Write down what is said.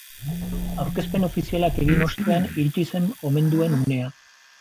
Aurkezpen ofizialak egin ostean iritsi zen omenduen unea.